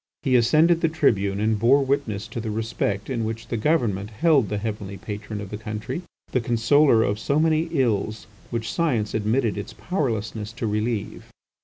He ascended the tribune and bore witness to the respect in which the Government held the heavenly Patron of the country, the consoler of so many ills which science admitted its powerlessness to relieve.